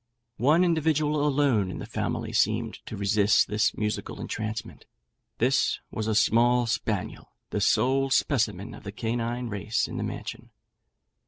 One individual alone in the family seemed to resist this musical entrancement; this was a small spaniel, the sole specimen of the canine race in the mansion.